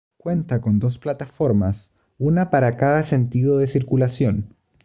Cuenta con dos plataformas, una para cada sentido de circulación.